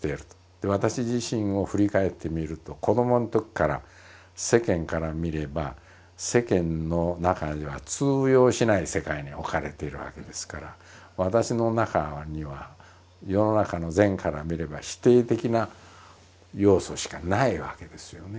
私自身を振り返ってみると子どものときから世間から見れば世間の中では通用しない世界に置かれているわけですから私の中には世の中の善から見れば否定的な要素しかないわけですよね。